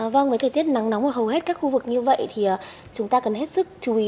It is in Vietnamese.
vâng với thời tiết nắng nóng ở hầu hết các khu vực như vậy thì chúng ta cần hết sức chú ý